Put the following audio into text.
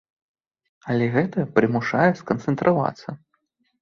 Але гэта прымушае сканцэнтравацца.